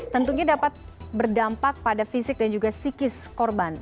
tentunya dapat berdampak pada fisik dan juga psikis korban